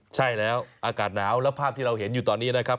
ใช่แล้วอากาศหนาวแล้วภาพที่เราเห็นอยู่ตอนนี้นะครับ